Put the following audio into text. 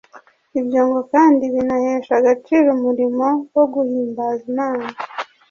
Ibyo ngo kandi binahesha agaciro umurimo wo guhimbaza Imana